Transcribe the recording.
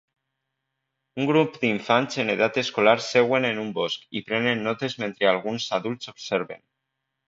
Un grup d'infants en edat escolar seuen en un bosc i prenen notes metre alguns adults observen.